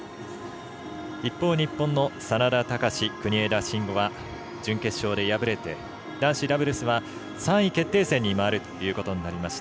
一方、日本の眞田卓、国枝慎吾は準決勝で敗れて、男子ダブルスは３位決定戦に回るということになりました。